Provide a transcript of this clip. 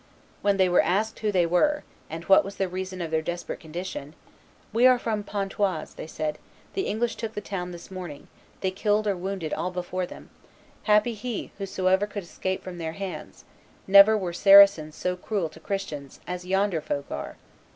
When they were asked who they were, and what was the reason of their desperate condition, "We are from Pontoise," they said; "the English took the town this morning; they killed or wounded all before them; happy he whosoever could escape from their hands; never were Saracens so cruel to Christians as yonder folk are."